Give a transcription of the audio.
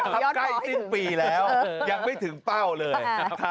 ใกล้สิ้นปีแล้วยังไม่ถึงเป้าเลย